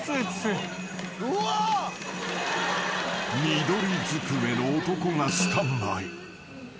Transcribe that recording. ［緑ずくめの男がスタンバイ］